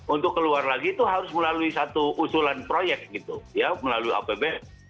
untuk keluar lagi itu harus melalui satu usulan proyek gitu ya melalui apbn